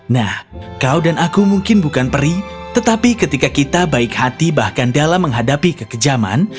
nah kau dan aku mungkin bukan peri tetapi ketika kita baik hati bahkan dalam menghadapi kekejaman